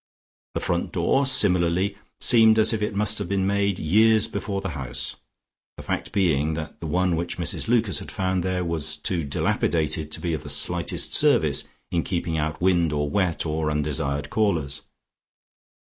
The front door, similarly, seemed as if it must have been made years before the house, the fact being that the one which Mrs Lucas had found there was too dilapidated to be of the slightest service in keeping out wind or wet or undesired callers.